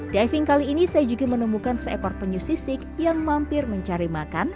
diving kali ini saya juga menemukan seekor penyu sisik yang mampir mencari makan